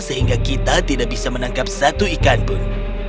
sehingga kita tidak bisa menangkap satu ikan pun